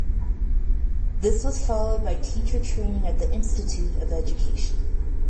This was followed by teacher training at the Institute of Education.